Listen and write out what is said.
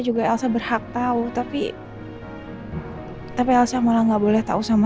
juga elsa berhak tahu tapi tapi elsa malah nggak boleh tahu sama